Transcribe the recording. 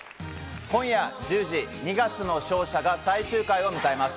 今夜１０時、『二月の勝者』が最終回を迎えます。